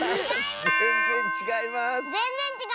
ぜんぜんちがいます。